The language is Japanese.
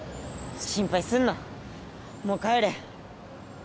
心配すんなもう帰れ